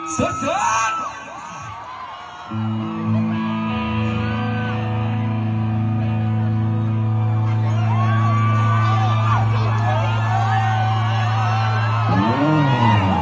สุดสุด